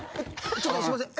ちょっとすいません。